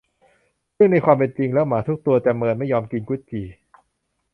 ซึ่งในความเป็นจริงแล้วหมาทุกตัวจะเมินไม่ยอมกินกุดจี่